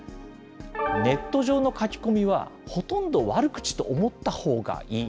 ネット上の書き込みはほとんど悪口と思ったほうがいい。